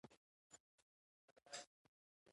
د یوې جوړې بوټانو ارزښت پنځه ساعته کار دی.